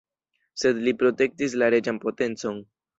Sed li protektis la reĝan potencon.